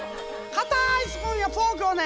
かたいスプーンやフォークをね